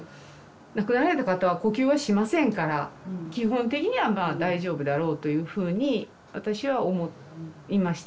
亡くなられた方は呼吸はしませんから基本的にはまあ大丈夫だろうというふうに私は思いました。